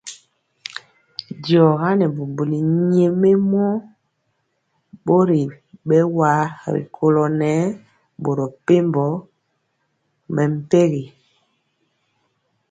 Diɔga nɛ bubuli nyɛmemɔ bori bɛwa rikolo nɛɛ boro mepempɔ mɛmpegi.